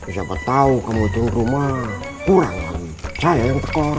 siapa tau kamu hitung rumah kurang lagi saya yang tekor